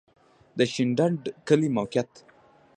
د شینډنډ کلی موقعیت